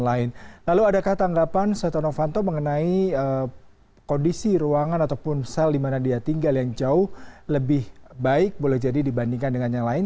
lalu adakah tanggapan setia novanto mengenai kondisi ruangan ataupun sel di mana dia tinggal yang jauh lebih baik boleh jadi dibandingkan dengan yang lain